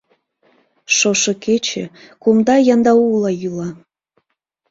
Шошо кече Кумда яндаула йӱла.